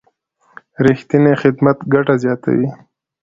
رښتینی خدمت ګټه زیاتوي.